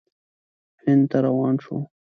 هند ته روان شو.